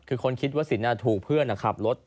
คือคนคิดว่าสินถูกเพื่อนขับรถ